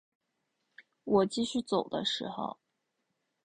我继续走的时候